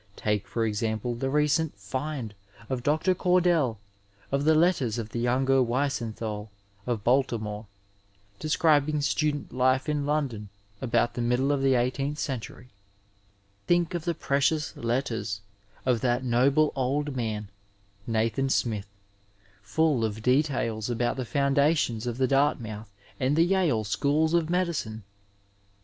Take, for example, the recent '' find " of Dr. Cordell of the letters of the younger Wiesenthal, of Baltimore, describing student life in London about the middle of the eighteenth century^ ^26 Digitized by Google AMERICAN MEDICAL BIBLIOGRAPHY Think of the precious letters of that noble old man, Nathan Smith, fall of details about the foundations of the Dart mouth and the Tale Schools of Medicine